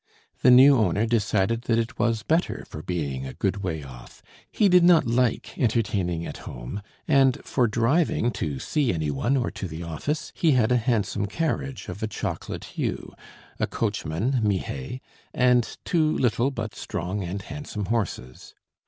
The new owner decided that it was better for being a good way off: he did not like entertaining at home, and for driving to see any one or to the office he had a handsome carriage of a chocolate hue, a coachman, Mihey, and two little but strong and handsome horses.